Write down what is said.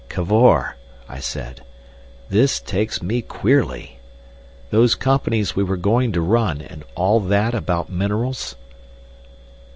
"Cavor," I said, "this takes me queerly. Those companies we were going to run, and all that about minerals?"